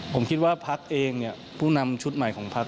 ผมคิดว่าพักเองเนี่ยผู้นำชุดใหม่ของพัก